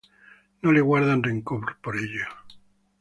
No le guardan rencor por ello.